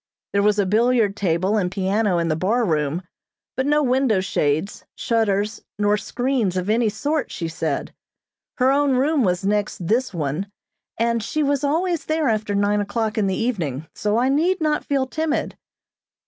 There was a billiard table and piano in the bar room; but no window shades, shutters nor screens of any sort, she said. Her own room was next this one, and she was always there after nine o'clock in the evening, so I need not feel timid.